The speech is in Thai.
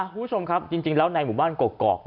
คุณผู้ชมครับจริงแล้วในหมู่บ้านกอก